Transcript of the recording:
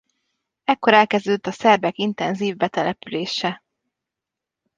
Ekkor elkezdődött a szerbek intenzív betelepülése.